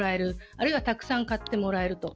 あるいはたくさん買ってもらえると。